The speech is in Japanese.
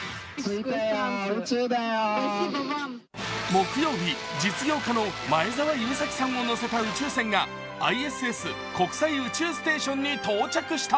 木曜日、実業家の前澤友作さんを乗せた宇宙船がＩＳＳ＝国際宇宙ステーションに到着した。